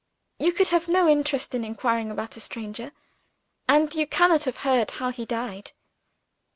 You could have no interest in inquiring about a stranger and you cannot have heard how he died."